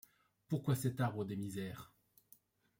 Pourquoi cet arbre des misères